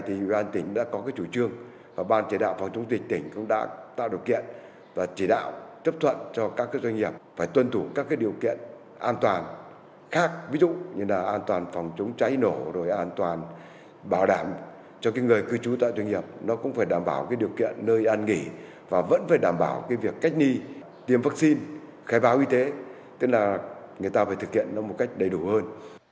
tức là người ta phải thực hiện nó một cách đầy đủ hơn